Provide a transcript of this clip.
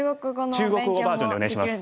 中国語バージョンでお願いします。